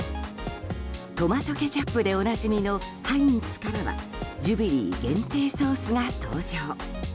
トマトケチャップでおなじみのハインツからはジュビリー限定ソースが登場。